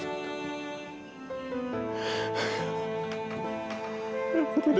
aku tidak bisa mengaruhi kontra